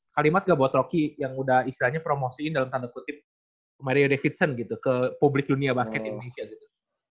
kalimat gak buat rocky yang udah istilahnya promosiin dalam tanda kutip mario davidson gitu ke publik dunia basket indonesia gitu